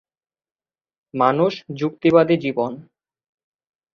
মানুষ যুক্তিবাদী জীবন।